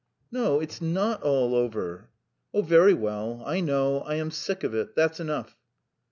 "No, it's not all over!" "Oh, very well! ... I know! I am sick of it. ... That's enough."